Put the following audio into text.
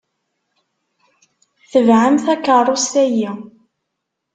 Tebɛem takeṛṛust-ayi.